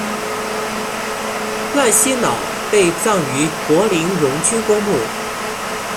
赖歇瑙被葬于柏林荣军公墓。